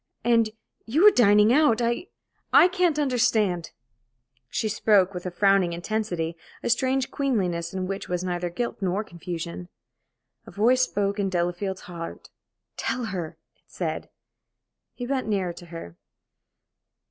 And you were dining out. I I can't understand!" She spoke with a frowning intensity, a strange queenliness, in which was neither guilt nor confusion. A voice spoke in Delafield's heart. "Tell her!" it said. He bent nearer to her.